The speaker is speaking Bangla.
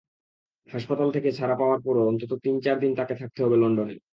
হাসপাতাল থেকে ছাড়া পাওয়ার পরও অন্তত তিন-চার দিন তাঁকে থাকতে হবে লন্ডনে।